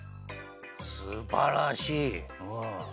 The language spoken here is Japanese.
すばらしいうん。